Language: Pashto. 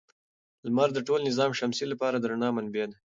لمر د ټول نظام شمسي لپاره د رڼا منبع ده.